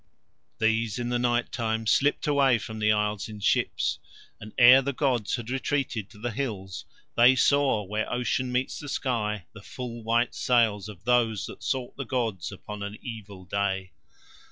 These in the night time slipped away from the Isles in ships, and ere the gods had retreated to the hills, They saw where ocean meets with sky the full white sails of those that sought the gods upon an evil day.